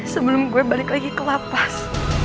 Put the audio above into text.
sebelum gue balik lagi ke lapas